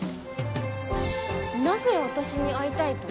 なぜ私に会いたいと？